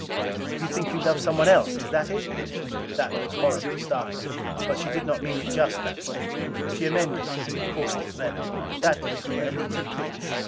"You think you love someone else? Is that it?" That was horribly startling; but she did not mean it just that way. She amended, with caustic venom: "That little Anita Prince!